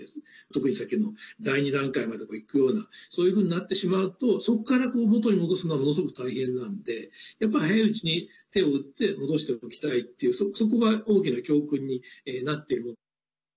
特に先程の第２段階までもいくようなそういうふうになってしまうとそこから元に戻すのはものすごく大変なんでやっぱり早いうちに手を打って戻しておきたいっていうそこが大きな教訓になっていると。